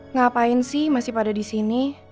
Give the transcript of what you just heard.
ngapain sih masih pada disini